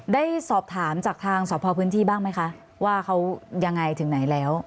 ได้สอบถามจากทางสอบพอพื้นที่บ้างไหมคะว่าเขายังไงถึงไหนแล้ว